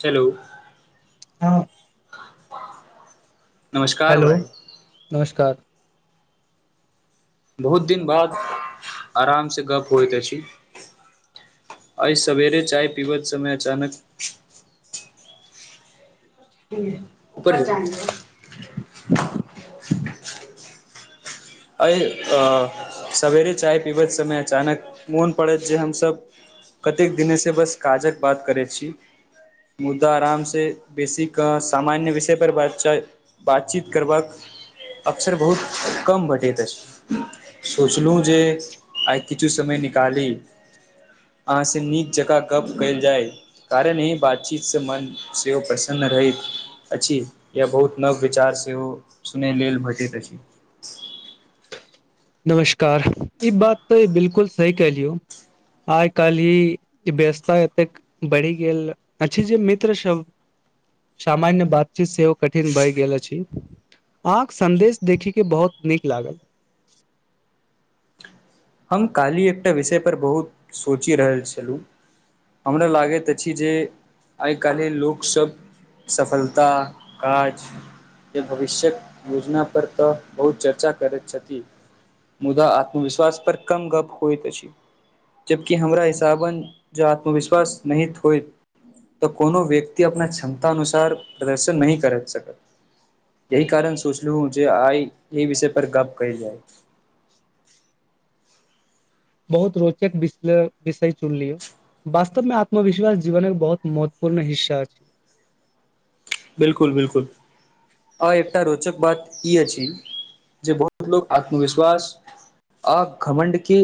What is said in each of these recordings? चलू हं नमस्कार हेलो भाइ नमस्कार बहुत दिन बाद आरामसँ गप्प होइत अछि एहि सवेरे चाय पीबैत समय अचानक उपर जाय छी एहि सवेरे चाय पीबैत समय अचानक मोन पड़त जे हमसभ कतेक दिनेसँ बस काजक बात करैत छी मुद्दा आराम से बेसीेक' सामान्य विषय पर ब बातचीत करबाक अक्सर बहुत कम भेट भेटैत अछि सोचलहुँ जे आइ किछु समय निकाली अहाँसँ नीक जकाँ गप कयल जाय कारण एहि बातचीतसँ मन सेहो प्रसन्न रहैत अछि या बहुत नव विचार सेहो सुनै लेल भेटैत अछि नमस्कार ई बात तऽ बिलकुल सही कलियौ आइ काल्हि ई व्यसता एतेक बढ़ि गेल अछि जे मित्रसभ सामान्य बातचीत सेहो कठिन भए गेल अछि अहाँके सन्देश देखिके बहुत नीक लागल हम काल्हि एकटा विषय पर बहुत सोचि रहल छलहुँ हमरा लागैत अछि जे आइ काल्हि लोकसभ सफलता काज या भविष्यक योजना पर तऽ बहुत चर्चा करैत छथि मुदा आत्मविश्वास पर कम गप होइत अछि जबकी हमरा हिसाबन जं आत्मविश्वास निहित होइत तऽ कोनो व्यक्ति अपना क्षमता अनुसार प्रदर्शन नहि कर सकत एहि कारण सोचलहुं जे आइ एहि विषय पर गप कयल जाय बहुत रोचक विष विषय चुनलियौ वास्तवमे आत्मविश्वास जीवनक बहुत महत्वपूर्ण हिस्सा अछि बिलकुल बिलकुल आ एकटा रोचक बात ई अछि जे बहुत लोक आत्मविश्वास आ घमण्डके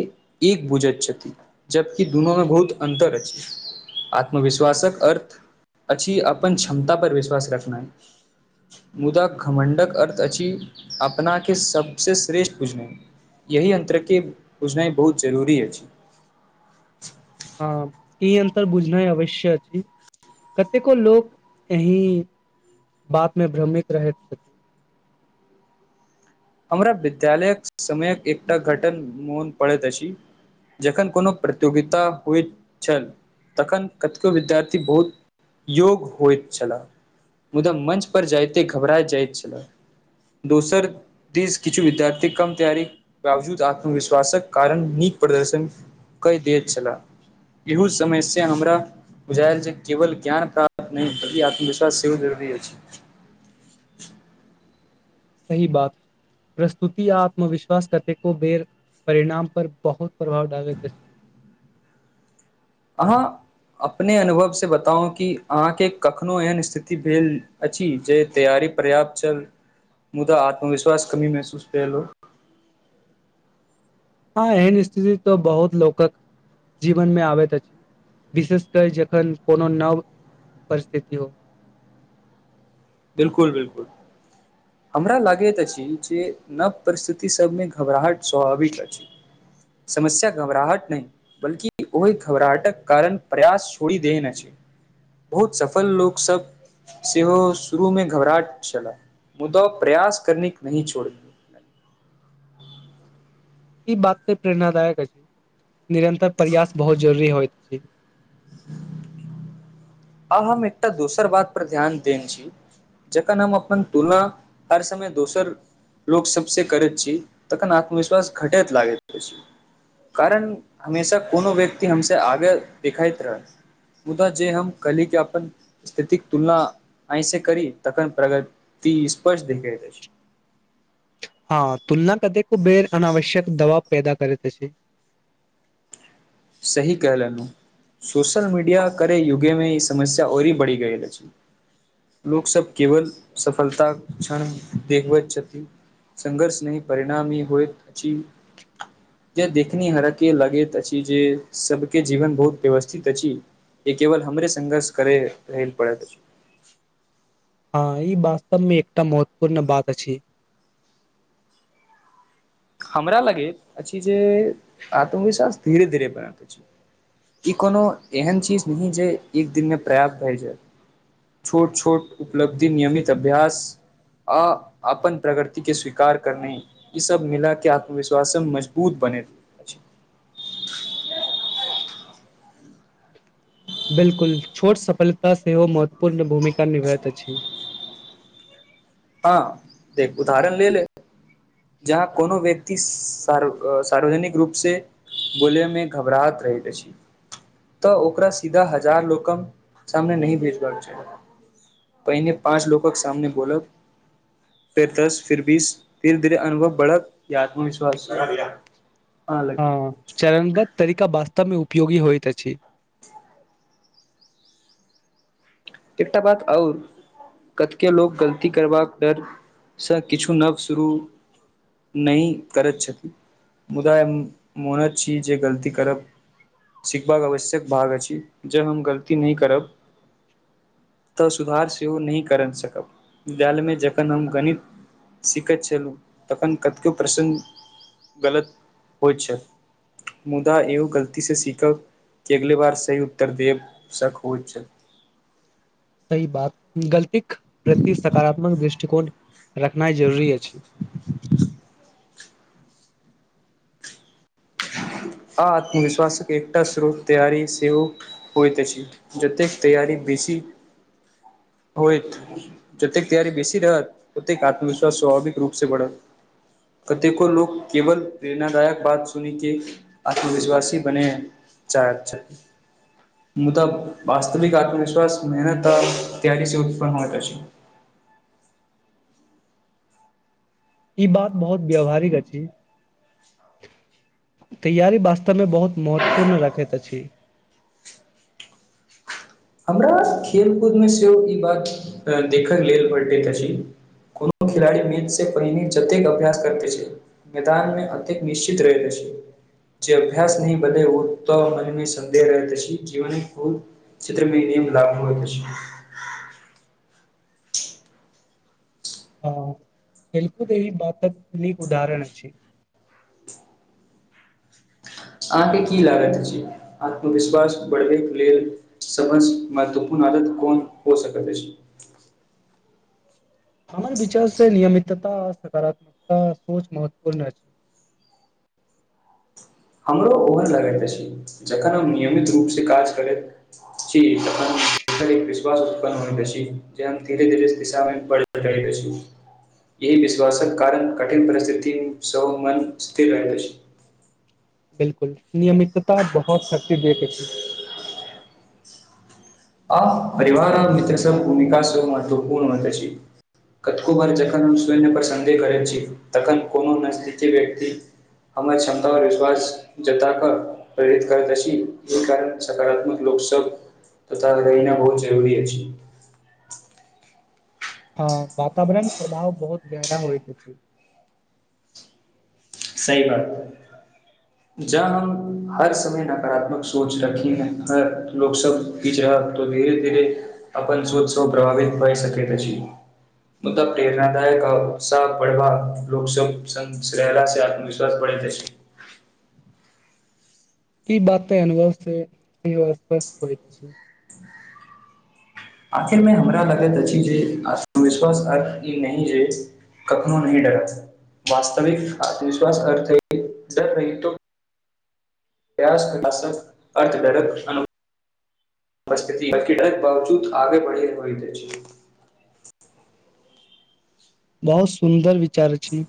एक बुझैत छथि जबकि दुनू मे बहुत अन्तर अछि आत्मविश्वासक अर्थ अछि अपन क्षमता पर विश दस घटनाय मुदा घमण्डक अर्थ अछि अपनाके सबसँ श्रेष्ठ बुझनाय यही अन्तरके बुझनाय बहुत जरूरी अछि हँ ई अन्तर बुझनाइ अवश्य अछि कतेको लोक एहि बातमे भ्रमित रहैत छथि हमरा विद्यालयक समयक एकटा घटन मोन पड़ैत अछि जखन कोनो प्रतियोगिता होयत छल तखन कतेको विद्यार्थी बहुत योग्य होयत छलाह मुदा मञ्च पर जाइते घबराय जाइत छलाह दोसर देिश किछु विद्यार्थी कम तैयारीक बावजूद आत्मविश्वासक कारण नीक प्रदर्शन कए दैत छलाह इहू समय से हमरा बुझायल जे केवल ज्ञान प्राप्त नहि ई आत्मविश्वास सेहो जरूरी अछि सही बात प्रस्तुति आ आत्मविश्वास कतेको बेर परिणाम पर बहुत प्रभाव डाबे क अहाँ अपने अनुभव से बताउ कि अहाँके कखनो एहन स्थिति भेल अछि जे तैयारी पर्याप्त छल मुदा आत्मविश्वास कमी महसूस भेल हो हँ एहन स्थिति तऽ बहुत लोकक जीवनमे आबैत अछि विशेष क' जखन कोनो नव परिस्थिति हो बिलकुल बिलकुल हमरा लागैत अछि जे नव परिस्थिति सबमे घबराहट स्वाभाविक अछि समस्या घबराहट नहि बल्कि ओहि घबराहटक कारण प्रयास छोड़ि देने अछि बहुत सफल लोकसभ सेहो शुरू मे घबराहट छला मुद्दा प्रयास करनेक नहि छोड़ ई बात ते प्रेरणादायक अछि निरन्तर प्रयास बहुत जरूरी होइत अछि आब हम एकटा दोसर बातपर ध्यान देन छी जखन हम अपन तुलना हर समय दोसर लोकसभसँ करैत छी तखन आत्मविश्वास घटैत लागैत अछि कारण हमेशा कोनो व्यक्ति हमसं आगे देखाइत रहत मुदा जे हम कली क अपन स्थितिक तुलना ऐसे करी तखन प्रगति स्पष्ट देखायत अछि हँ तुलना कतेको बेेर अनावश्यक दबाव पैदा करैत अछि सही कहलनु सोशल मीडिया करे युगेमे ई समस्या औरी बढ़ि गयल अछि लोक सब केवल सफलता क्षण देखबैत छथि संघर्ष नहि परिणाम ई होइत अछि जे देखनिहारकें लगैत अछि ई जे सबके जीवन बहुत व्यवस्थित अछि ए केवल हमरे संघर्ष करय रहय पड़त हँ ई वास्तव मे एकटा महत्वपूर्ण बात अछि हमरा लगैत अछि जे आत्मविश्वास धीरे धीरे बनत अछि ई कोनो एहन चीज नहि जे एक दिनमे पर्याप्त भए जायत छोट छोट उपलब्धि नियमित अभ्यास आ अपन प्रगतिके स्वीकार करनाय ईसभ मिला क' आत्मविश्वास मजबूत बनैत अछि बिलकुल छोट सफलता सेहो महत्वपूर्ण भूमिका निभइत अछि हँ देख उदाहरण ले ले जहाँ कोनो व्यक्ति सार्वजनिक रूप से बोलै मे घबराहत रहैत अछि तऽ ओकरा सीधा हजार लोकक सामने नहिह भेजबाक छै पहिने पाँच लोकके सामने बोलब फेर दस फिर बीस फिर फीर अनुभव बढत या आत्मविश्वास हँ लगी चरणबद्ध तरीका वास्तवमे उ उपयोगी होइत छी एकटा बात आओर कतके लोक गलती करबाक डरसँ किछु नव शुरू नहि करैत छथिन मुदा हम मोनैत छी जे गलती करब सिखबाक आवश्यक भाग अछि जे हम गलती नहि करब तऽ सुधार सेहो नहि कर' सकब विद्यालयमे जखन हम गणित सीखैत छलहुँ तखन कतेको प्रश्न गलत होइत छल मुदा एहो गलतीसँ सीखब कि अगले बार सही उत्तर देब सक होइत छल सही बात गलतीक प्रति सकारात्मक दृष्टिकोण रखनाइ जरूरी अछि आ आत्मविश्वासक एकटा स्रोत तैयारी सेहो होइत अछि जतेक तैयारी बेसी होयत जतेक तैयारी बेसी रहत ओतेक आत्मविश्वास स्वाभाविक रूप से बढ़त कतेको लोक केवल प्रेरणादायक बात सुनि के आत्मविश्वासी बने चाही छै मुदा वस्तविक आत्मविश्वास मेहनत आ तैयारी से उत्पन्न होइत अछि ई बात बहुत व्यावहारिक अछि तैयारी वास्तवमे बहुत महत्वपूर्ण रखैत अछि हमरा खेल कूदमे सेहो ई बात देख' लेल भेटैत अछि कोनो खेलाड़ी मैच से पहिने जतेक अभ्यास करतै छै मैदानमे ओतेक निश्चित रहैत अछि जे अभ्यास नहि बदै ओतऽ मन मे संदेह रहैत अछि जीवन ब चित्रमे ई लागू होइके छै हं खेलकूद ई बातक नीक उदाहरण छै अहाँके की लागत अछि आत्मविश्वास बढ़बैके लेल सभसं महत्वपूर्ण आदत कोन हो सकैत अछि हमर विचार से नियमितता सकारात्मकता सोच महत्वपूर्ण अछि हमरो ओहन लगैत अछि जखन हम नियमित रूप से काज करैत छी तखनर एक विश्वास उत्पन्न होइत अछि जे हम धीरे धीरे दिशामे ब रहैत अछि एहि विश्वासक कारण कठिन परिस्थिति सेहो मन स्थिर रहैत अछि बिलकुल नियमितता बहुत शक्ति दे के छै आ परिवार आ मित्र सब भूमिका सेहो महत्वपूर्ण होइत अछि कतको बार जखन हम स्वन्य पर सन्देह करैत छी तखन कोनो नज व्यक्ति हमर क्षमता पर विश्वास जता कऽ प्रेरित करैत अछि एहि कारण सकारात्मक लोक सब तथा रहिना बहुत जरूरी अछि हँ वातावरण प्रभाव बहुत गहरा होइत छै स [unintelligible] ही बात जह हम हर समय नकारात्मक सोच रखी है लोक सब बीच रह त धीरे धीरे अपन सोच सब प्रभावित भए सक मुदा प्रेरणादायक आ उत्साह बढ़वा लोक सब्र से आ विश्वास पड़ै अछि की बात ता एन ब से क स्पष् छी आखिर मे हमरा लगैत अछि जे आत्मविश्वास अर्थ ई नहिह जे कखनो नहि डरत वास्तविक आत्मविश्वास अर्थ डर रही त प्रायास कयलाह सँ अर्थडरक उपस्थिति बकीडरक बावजूद आगे बढ़ै होइत छै बहुत सुन्दर विचार छी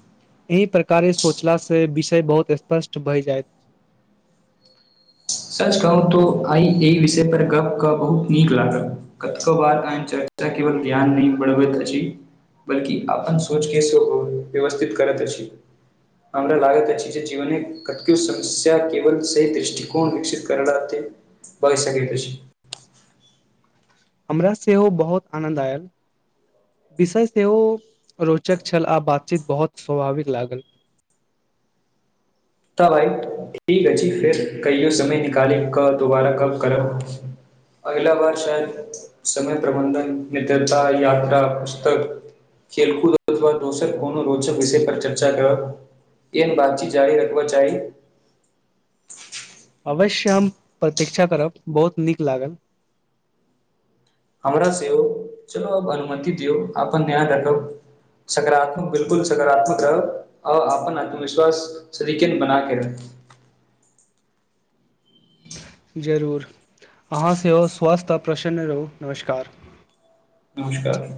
एहि प्रकारे सोचला से विषय बहुत स्पष्ट भय जाइत छै सच कहू तो आइ एहि विषय पर गप क बहुत नीक लागल कतो बारन चर्चा केवल ध्यान नहि बढ़बैत अछि बल्कि अपन सोच के सेहो व्यवस्थित करैत अछि हमरा लागैत अछि जे जीवन कतो समस्या केवल सही दृष्टि गुण विकसित करनाे बगै सक क छै हमरा सेहो बहुत आनन्द आयल विषय सेहो रोचक छल आ बातचीत बहुत स्वाभाविक लागल त भइ ठीक है जी फेर कहियो समय निकाली क दुोबारा कब करब अगिला बार शायद समय प्रबंधन मित्रता यात्रा पुस्तक खेलकूद अथ दोसर कोनो रोचक विषय पर चर्चा करब एन बातचीत जी र चाही अवश्य हम प्रतीक्षा करब बहुत नीक लागल हमरँ चलू अब अनुमति दियौ अपन ध्यान रखब सकारात्मक बिलकुल सकारात्मक रहब आ अपन आत्मविश्वास सदिकन बनााके रहब जरूर अहाँ सेहो स्वस्थ आ प्रसन्न रहू नमस्कार नमस्कार